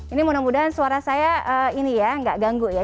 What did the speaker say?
ini mudah mudahan suara saya ini ya nggak ganggu ya